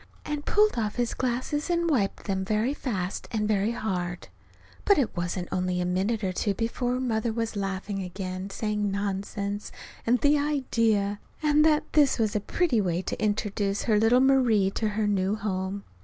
and pulled off his glasses and wiped them very fast and very hard. But it wasn't only a minute or two before Mother was laughing again, and saying, "Nonsense!" and "The idea!" and that this was a pretty way to introduce her little Marie to her new home!